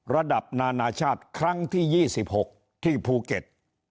ระดับนานาชาติครั้งที่๒๖ที่ภูเก็ต